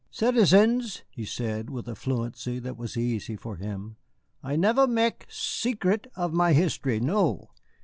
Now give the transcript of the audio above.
"Citizens," he said, with a fluency that was easy for him, "I never mek secret of my history no.